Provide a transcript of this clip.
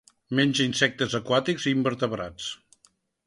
Menja insectes aquàtics i invertebrats.